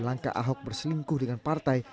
langkah ahok berselingkuh dengan partai